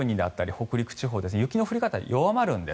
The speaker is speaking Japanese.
北陸地方雪の降り方は弱まるんです。